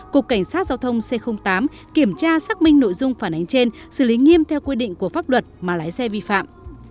cục cảnh sát giao thông c tám kiểm tra xác minh nội dung phản ánh trên xử lý nghiêm theo quy định của pháp luật mà lái xe vi phạm